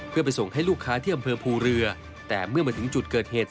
เพื่อไปส่งให้ลูกค้าที่อำเภอภูเรือแต่เมื่อมาถึงจุดเกิดเหตุ